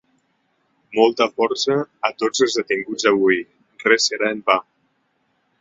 Molta força a tots els detinguts avui, res serà en va!